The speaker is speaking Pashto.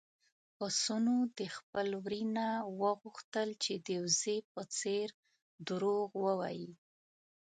پسونو د خپل وري نه وغوښتل چې د وزې په څېر دروغ ووايي.